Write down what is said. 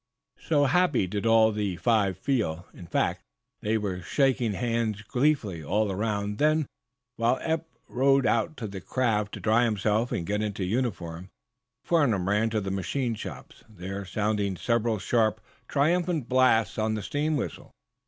So happy did all of the five feel, in fact, that they shook hands gleefully, all around. Then, while Eph rowed out to the craft to dry himself and get into uniform, Jacob Farnum ran to the machine shops, there sounding several sharp, triumphant blasts on the steam whistle.